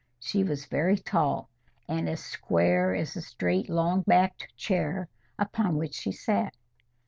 She was very tall, and as square as the straight long backed chair upon which she sat.